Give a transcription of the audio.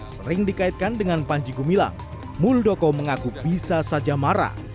sering dikaitkan dengan panji gumilang muldoko mengaku bisa saja marah